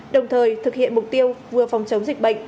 đồng thời thực hiện mục tiêu vừa phòng chống dịch bệnh